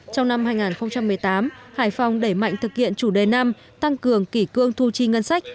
trong năm hai nghìn một mươi tám hải phòng đẩy mạnh thực hiện chủ đề năm tăng cường kỷ cương thu chi ngân sách